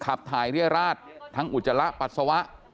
ขับถ่ายเรียราชทั้งอุจจาระปัสสาวะ